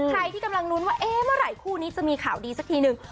ใครที่กำลังลุ้นว่าเอ๊ะเมื่อไหร่คู่นี้จะมีข่าวดีสักทีนึง